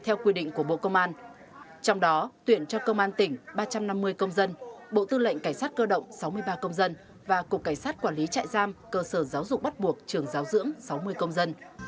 theo quy định của bộ công an trong đó tuyển cho công an tỉnh ba trăm năm mươi công dân bộ tư lệnh cảnh sát cơ động sáu mươi ba công dân và cục cảnh sát quản lý trại giam cơ sở giáo dục bắt buộc trường giáo dưỡng sáu mươi công dân